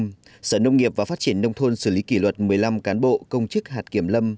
phó giám đốc sở nông nghiệp và phát triển nông thôn xử lý kỷ luật một mươi năm cán bộ công chức hạt kiểm lâm